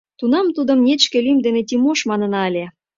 Тунам тудым нечке лӱм дене Тимош манына ыле.